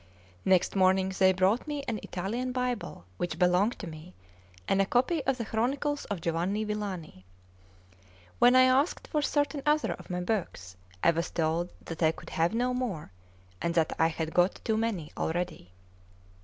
Next morning they brought me an Italian Bible which belonged to me, and a copy of the Chronicles of Giovanni Villani. When I asked for certain other of my books, I was told that I could have no more, and that I had got too many already.